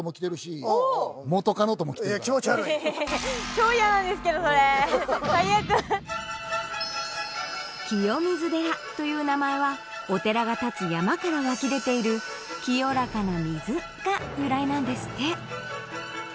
僕は気持ち悪い清水寺という名前はお寺が立つ山から湧き出ている清らかな水が由来なんですって